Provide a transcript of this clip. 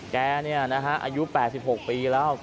แกนี่นะฮะอายุ๘๖ปีแล้ว